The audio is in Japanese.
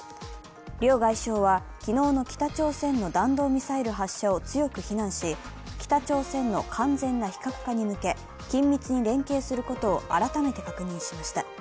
両外相は昨日の北朝鮮の弾道ミサイル発射を強く非難し、北朝鮮の完全な非核化に向け緊密に連携することを改めて確認しました。